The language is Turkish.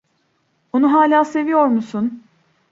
Onu hâlâ seviyor musun?